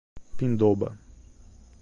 Pindoba